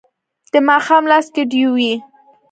د ماښام لاس کې ډیوې